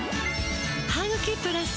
「ハグキプラス」